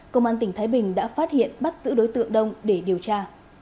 công an tỉnh thái bình đã phát hiện bắt giữ đối tượng đông để điều tra